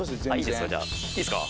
いいですか？